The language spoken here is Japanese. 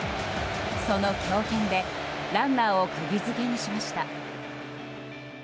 その強肩でランナーをくぎ付けにしました。